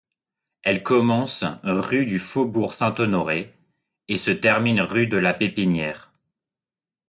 Elle commence rue du Faubourg-Saint-Honoré et se termine rue de la Pépinière.